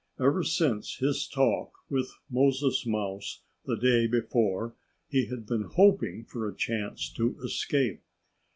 Ever since his talk with Moses Mouse the day before he had been hoping for a chance to escape.